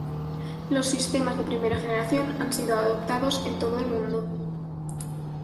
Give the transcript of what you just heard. Los sistemas de Primera Generación han sido adoptados en todo el mundo.